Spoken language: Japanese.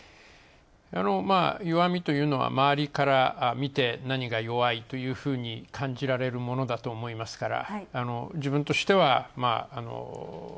弱みというのは、周りから見て、何が弱いと感じられるものだと思いますから自分としては。